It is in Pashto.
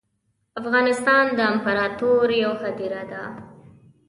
افغانستان ده امپراتوریو هدیره ده